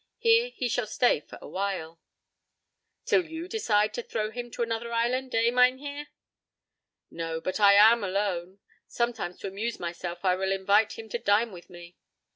Here he shall stay for a while—" "Till you decide to 'throw' him to another island, eh, Mynheer?" "No, but I am alone. Sometimes to amuse myself I will invite him to dine with me.